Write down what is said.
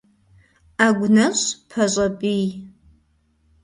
Ӏэгу нэщӀ пащӀэ пӀий.